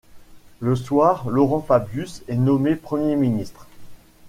Le soir, Laurent Fabius est nommé Premier ministre.